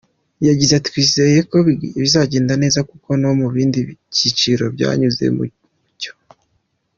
Yagize ati “Twizeye ko bizagenda neza kuko no mu bindi byiciro byanyuze mu mucyo.